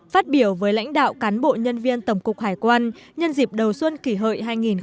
phát biểu với lãnh đạo cán bộ nhân viên tổng cục hải quan nhân dịp đầu xuân kỷ hợi hai nghìn một mươi chín